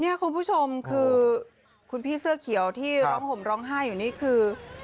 นี่คุณผู้ชมคือคุณพี่เสื้อเขียวที่ร้องห่มร้องไห้อยู่นี่คือ